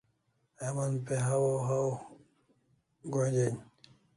Heman pe hawaw haw g'o'n den